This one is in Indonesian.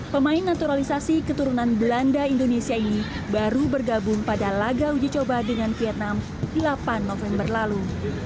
pemain naturalisasi keturunan belanda indonesia ini baru bergabung pada laga uji coba dengan vietnam delapan november lalu